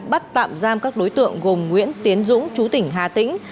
bắt tạm giam các đối tượng gồm nguyễn tiến dũng chú tỉnh hà tĩnh